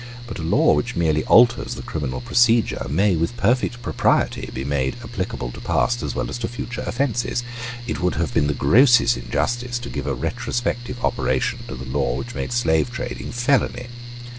But a law which merely alters the criminal procedure may with perfect propriety be made applicable to past as well as to future offences. It would have been the grossest injustice to give a retrospective operation to the law which made slavetrading felony.